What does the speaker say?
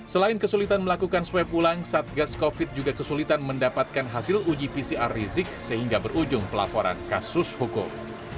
selain kesulitan melakukan swab ulang satgas covid juga kesulitan mendapatkan hasil uji pcr rizik sehingga berujung pelaporan kasus hukum